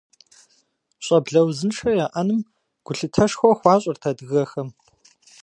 Щӏэблэ узыншэ яӏэным гулъытэшхуэ хуащӏырт адыгэхэм.